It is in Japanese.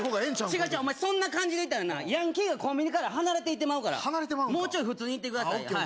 違うお前そんな感じでいったらヤンキーがコンビニから離れていってまうからもうちょい普通にいってくださいＯＫ